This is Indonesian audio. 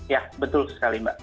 ya betul sekali mbak